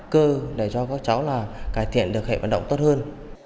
chúng tôi sẽ sử dụng phương pháp cơ để cho các cháu cải thiện được hệ vận động tốt hơn